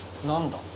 何だ？